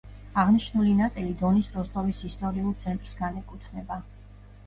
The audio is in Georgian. აღნიშნული ნაწილი დონის როსტოვის ისტორიულ ცენტრს განეკუთვნება.